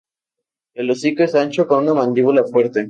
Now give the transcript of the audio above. El hocico es ancho con una mandíbula fuerte.